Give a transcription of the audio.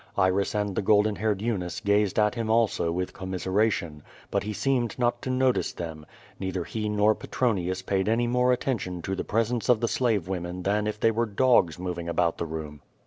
Iris and the golden haired Eunice gazed at him also ^vith commiseration. But he seemed not to notice them. Neither he nor Petronius paid any more attention to the presence of the slave women than if they were dogs moving about the room.